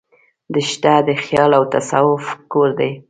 دښته د خیال او تصوف کور دی.